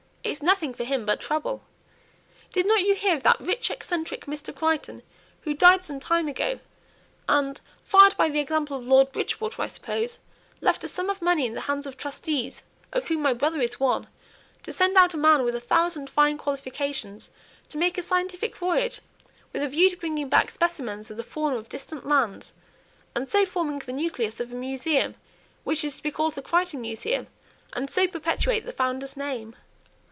It's nothing for him but trouble. Didn't you hear of that rich eccentric Mr. Crichton, who died some time ago, and fired by the example of Lord Bridgewater, I suppose left a sum of money in the hands of trustees, of whom my brother is one, to send out a man with a thousand fine qualifications, to make a scientific voyage, with a view to bringing back specimens of the fauna of distant lands, and so forming the nucleus of a museum which is to be called the Crichton Museum, and so perpetuate the founder's name.